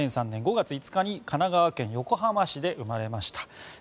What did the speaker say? ２００３年５月５日に神奈川県横浜市で生まれました。